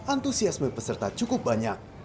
entusiasme peserta cukup banyak